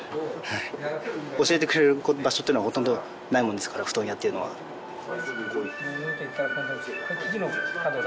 はい教えてくれる場所っていうのはほとんどないもんですから布団屋っていうのはよけたら今度